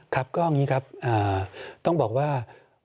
ครับก็อย่างนี้ครับต้องบอกว่า